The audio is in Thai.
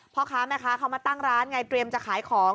พ่อค้าแม่ค้าเขามาตั้งร้านไงเตรียมจะขายของ